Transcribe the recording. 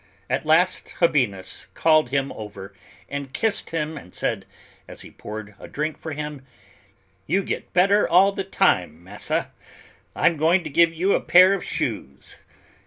At last Habinnas called him over and kissed him and said, as he poured a drink for him, "You get better all the time, Massa. I'm going to give you a pair of shoes."